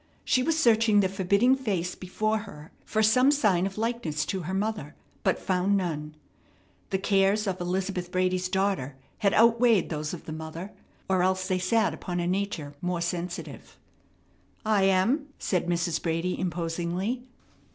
She was searching the forbidding face before her for some sign of likeness to her mother, but found none. The cares of Elizabeth Brady's daughter had outweighed those of the mother, or else they sat upon a nature more sensitive. "I am," said Mrs. Brady, imposingly.